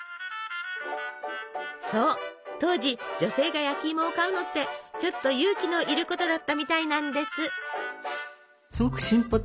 そう当時女性が焼きいもを買うのってちょっと勇気のいることだったみたいなんです。